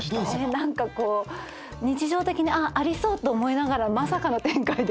何かこう日常的にありそうと思いながらまさかの展開で。